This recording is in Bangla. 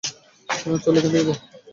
চলো, এখান থেকে যাই!